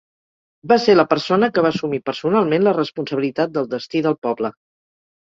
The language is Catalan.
Va ser la persona que va assumir personalment la responsabilitat del destí del poble.